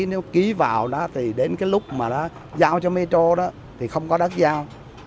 nếu ký vào đó thì đến cái lúc mà nó giao cho metro đó thì không có đất giao